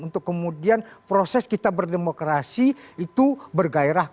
untuk kemudian proses kita berdemokrasi itu bergairah